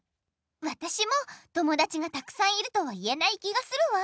わたしも友だちがたくさんいるとはいえない気がするわ。